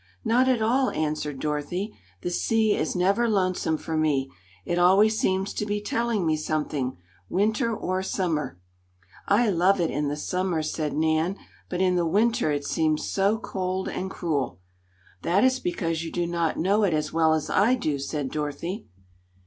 "Not at all," answered Dorothy. "The sea is never lonesome for me. It always seems to be telling me something, Winter or Summer. "I love it in the Summer," said Nan, "but in the Winter it seems so cold and cruel." "That is because you do not know it as well as I do," said Dorothy.